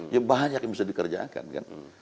ya banyak yang bisa dikerjakan kan